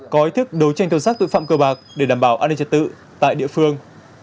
có ý thức đấu tranh tố xác tội phạm cơ bạc để đảm bảo an ninh trật tự tại địa phương